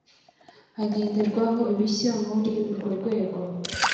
hagenderwaho ibishya muri urwo rwego